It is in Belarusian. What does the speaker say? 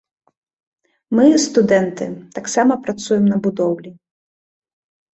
Мы, студэнты, таксама працуем на будоўлі.